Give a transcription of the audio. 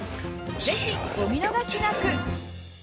ぜひ、お見逃しなく！